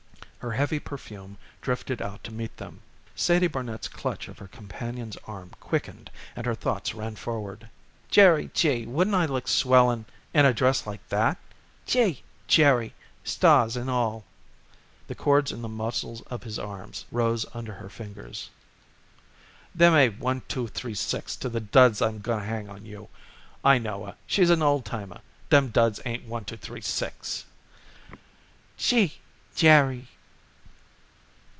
Her heavy perfume drifted out to meet them. Sadie Barnet's clutch of her companion's arm quickened and her thoughts ran forward. "Jerry gee! wouldn't I look swell in in a dress like that? Gee! Jerry, stars and all!" The cords in the muscles of his arm rose under her fingers. "Them ain't one two three six to the duds I'm going to hang on you. I know her; she's an old timer. Them duds ain't one two three six." "Gee Jerry!"